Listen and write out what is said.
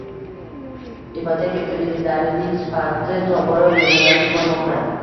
Ipoteka kreditlarining sifati tobora yomonlashib bormoqda.